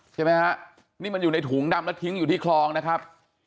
ใช่ไหมฮะนี่มันอยู่ในถุงดำแล้วทิ้งอยู่ที่คลองนะครับ